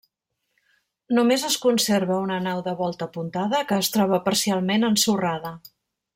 Només es conserva una nau de volta apuntada, que es troba parcialment ensorrada.